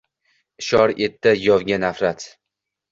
Ishor etdi yovga nafrat.